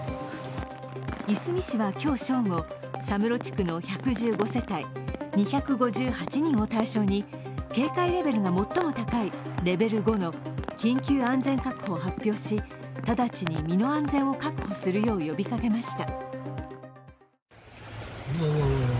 いすみ市は今日正午、佐室地区の１１５世帯２５８人を対象に警戒レベルが最も高いレベル５の緊急安全確保を発表し直ちに身の安全を確保するよう呼びかけました。